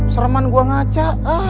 sereman gua ngaca